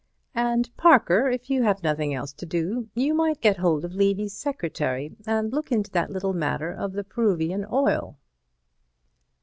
"And Parker—if you have nothing else to do you might get hold of Levy's secretary and look into that little matter of the Peruvian oil."